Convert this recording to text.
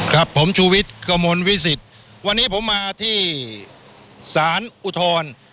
ครับผมชูวิทย์กระมวลวิสิตวันนี้ผมมาที่สารอุทธร